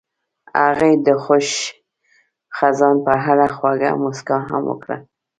هغې د خوښ خزان په اړه خوږه موسکا هم وکړه.